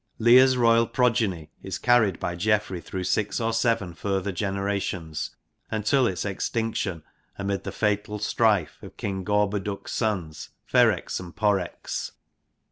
Lear's royal progeny is carried by Geoffrey through _six or seven further generations until its extinction amid the fatal strife of King Gorboduc's sons, Ferrex and Porrex.